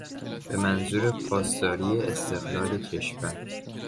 به منظور پاسداری استقلال کشور